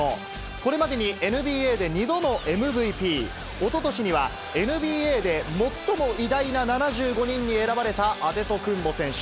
これまでにＮＢＡで２度のＭＶＰ、おととしにはＮＢＡで最も偉大な７５人に選ばれたアデトクンボ選手。